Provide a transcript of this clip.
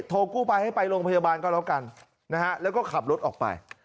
โทรกู้ภัยให้ไปโรงพยาบาลก็แล้วกันนะฮะแล้วก็ขับรถออกไป